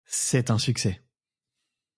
C'est un succès...